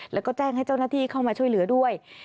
แล้วก็แจ้งให้เจ้าหน้าที่เข้ามาช่วยเหลือด้วย